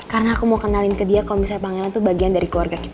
karena aku mau kenalin ke dia kalo misalnya pangeran tuh bagian dari keluarga kita